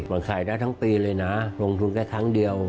มันขายได้ทั้งปีเลยนะลงทุนแค่ครั้งเดียว